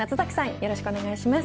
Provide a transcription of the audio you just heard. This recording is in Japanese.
よろしくお願いします。